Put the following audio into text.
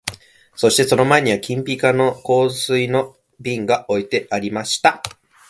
そして戸の前には金ピカの香水の瓶が置いてありました